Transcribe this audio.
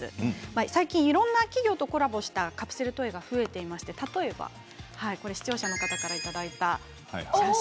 最近、いろいろな企業とコラボしたカプセルトイが増えていまして例えば、視聴者の方からいただいた写真